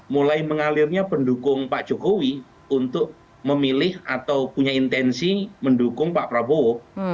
mulai mengalirnya pendukung pak jokowi untuk memilih atau punya intensi mendukung pak prabowo